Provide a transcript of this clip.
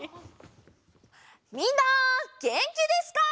みんなげんきですか？